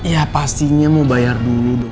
ya pastinya mau bayar dulu dong